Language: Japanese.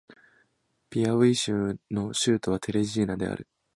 ピアウイ州の州都はテレジーナである